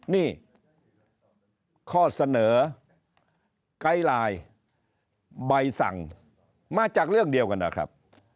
นี่ข้อเสนอไกด์ไลน์ใบสั่งมาจากเรื่องเดียวกันนะครับ